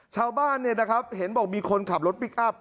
ชาวบ้านเห็นบอกมีคนขับรถพลิกอัพ